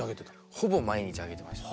ほぼ毎日あげてました。